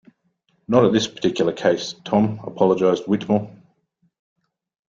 Not at this particular case, Tom, apologized Whittemore.